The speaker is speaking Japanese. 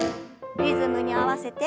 リズムに合わせて。